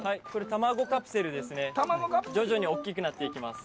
卵カプセル徐々に大きくなっていきます